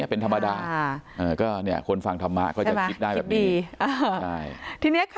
เป็นธรรมดาคนฟังธรรมะก็จะคิดได้แบบนี้